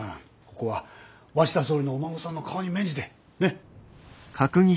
ここは鷲田総理のお孫さんの顔に免じてね。